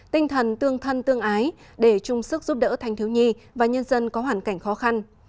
tinh thần tương thân tương ái để chung sức giúp đỡ thanh thiếu nhi và nhân dân có hoàn cảnh khó khăn